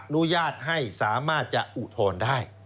อนุญาตให้สามารถจะอุทธรณ์ได้